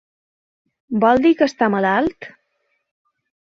Vol dir que està malalt?